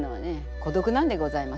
こどくなんでございます。